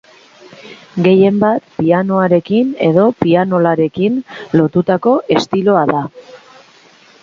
Gehienbat pianoarekin edo pianolarekin lotutako estiloa da.